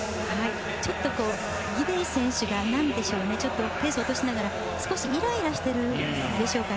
ちょっとギデイ選手がペースを落としながら少しイライラしているんでしょうか。